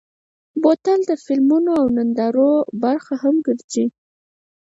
بوتل د فلمونو او نندارو برخه هم ګرځي.